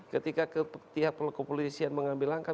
ketika ketika pihak polisian mengambil langkah